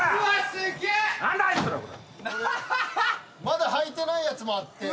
・まだ履いてないやつもあって。